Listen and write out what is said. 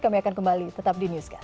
kami akan kembali tetap di newscast